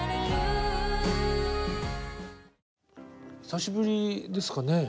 久しぶりですかね？